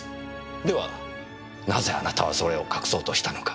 ではなぜあなたはそれを隠そうとしたのか。